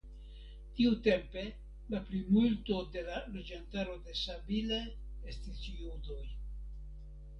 Tiutempe la plimulto de la loĝantaro de Sabile estis judoj.